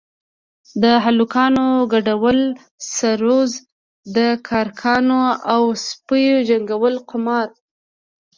د هلکانو گډول سروذ د کرکانو او سپيو جنگول قمار.